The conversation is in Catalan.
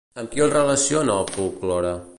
Amb qui el relaciona, el folklore?